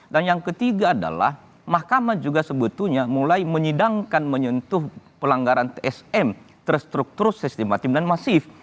dan yang ketiga adalah mahkamah juga sebetulnya mulai menyidangkan menyentuh pelanggaran tsm terstruktur sistematif dan masif